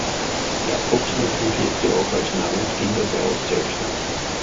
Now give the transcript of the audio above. Jacobsen fungierte auch als Namensgeber der Auszeichnung.